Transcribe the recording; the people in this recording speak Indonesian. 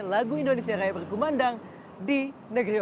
lagu indonesia raya perkuman dang di negeri orang